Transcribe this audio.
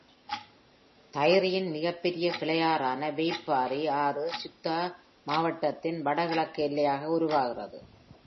Taieri-இன் மிகப் பெரிய கிளை ஆறான Waipori ஆறு, Clutha மாவட்டத்தின் வட கிழக்கு எல்லையாக உருவாகிறது.